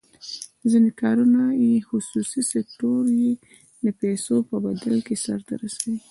ځینې کارونه چې خصوصي سکتور یې د پیسو په بدل کې سر ته رسوي.